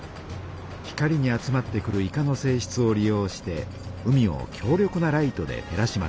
光に集まってくるイカのせいしつを利用して海を強力なライトで照らします。